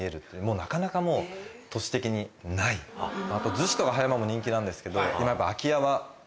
逗子とか葉山も人気なんですけど今やっぱ。